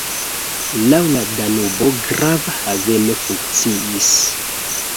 Laŭ la Danubo grava haveno funkciis.